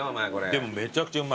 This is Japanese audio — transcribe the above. でもめちゃくちゃうまい。